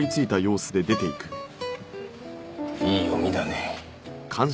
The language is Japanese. いい読みだねぇ。